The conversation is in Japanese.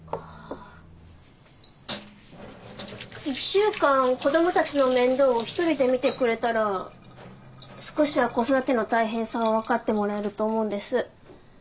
１週間子供たちの面倒を一人で見てくれたら少しは子育ての大変さを分かってもらえると思うんです。